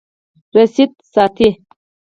رسید ساتئ